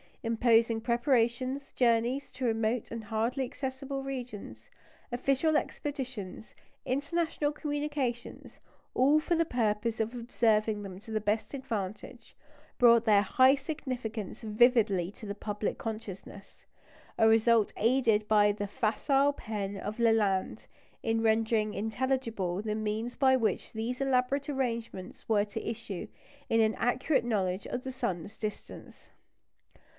Imposing preparations, journeys to remote and hardly accessible regions, official expeditions, international communications, all for the purpose of observing them to the best advantage, brought their high significance vividly to the public consciousness; a result aided by the facile pen of Lalande, in rendering intelligible the means by which these elaborate arrangements were to issue in an accurate knowledge of the sun's distance.